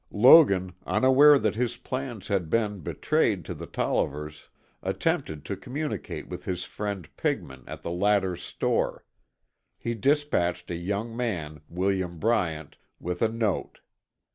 Logan, unaware that his plans had been betrayed to the Tollivers, attempted to communicate with his friend Pigman at the latter's store. He despatched a young man, William Bryant, with a note.